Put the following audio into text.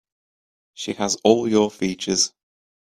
She has all your features.